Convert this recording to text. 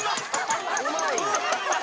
うまい！